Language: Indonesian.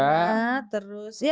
ya terus ya